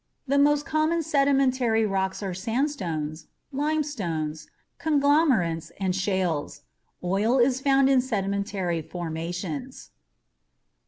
The most common sedimentary rocks are sandstones, limestones, conglomerates and shales. Oil is found in sedimentary formations.